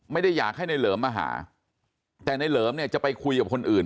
ไม่ได้อยากให้ในเหลิมมาหาแต่ในเหลิมเนี่ยจะไปคุยกับคนอื่น